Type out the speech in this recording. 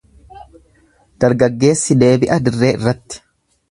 Dargaggeessi deebi'a dirree irratti.